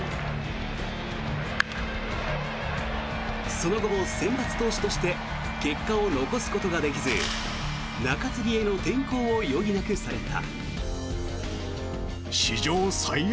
その後も先発投手として結果を残すことができず中継ぎへの転向を余儀なくされた。